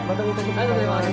ありがとうございます。